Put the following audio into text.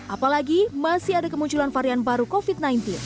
apalagi masih ada kemunculan varian baru covid sembilan belas